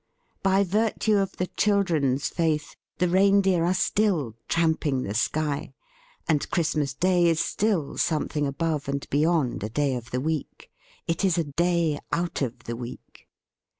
By virtue of the chil dren's faith, the reindeer are still tramping the sky, and Christmas Day is still something above and beyond a day of the week; it is a day out of the week.